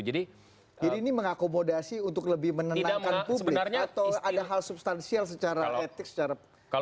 jadi ini mengakomodasi untuk lebih menenangkan publik atau ada hal substansial secara etik secara